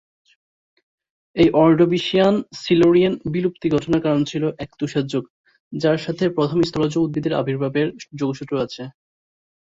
এই অর্ডোভিশিয়ান-সিলুরিয়ান বিলুপ্তি ঘটনার কারণ ছিল এক তুষার যুগ, যার সাথে প্রথম স্থলজ উদ্ভিদের আবির্ভাবের যোগসূত্র আছে।